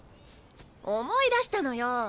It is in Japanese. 思い出したのよ。